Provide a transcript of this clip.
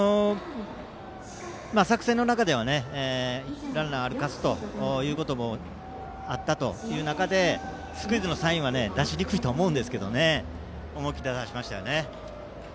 作戦の中ではランナー歩かすということもあったという中でスクイズのサインは出しにくいと思うんですが思い切って出しましたね。